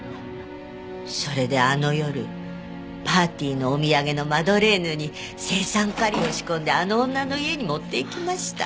それであの夜パーティーのお土産のマドレーヌに青酸カリを仕込んであの女の家に持って行きました。